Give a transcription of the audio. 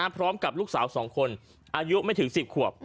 พร้อมกับลูกสาว๒คนอายุไม่ถึง๑๐ขวบ